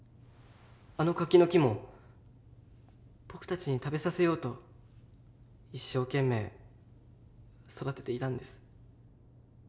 あの柿の木も僕たちに食べさせようと一生懸命育てていたんです。